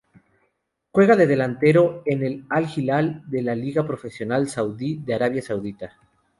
Juega de delantero en el Al-Hilal de la Liga Profesional Saudí de Arabia Saudita.